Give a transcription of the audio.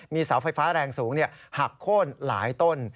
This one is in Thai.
เสาไฟฟ้าแรงสูงหักโค้นหลายต้น